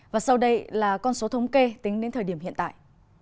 và sau đây là con số thống kê tính đến thời điểm hiện tại